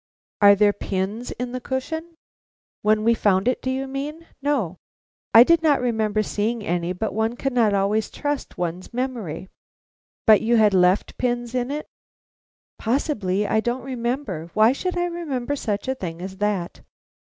"Are there pins in the cushion?" "When we found it, do you mean? No." I did not remember seeing any, but one cannot always trust to one's memory. "But you had left pins in it?" "Possibly, I don't remember. Why should I remember such a thing as that?"